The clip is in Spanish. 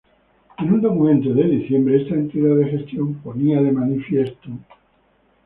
En un documento de diciembre esta entidad de gestión ponía de manifiesto